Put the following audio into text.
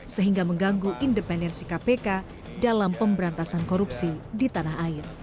sehingga mengganggu independensi kpk dalam pemberantasan korupsi di tanah air